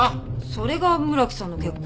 それが村木さんの結婚？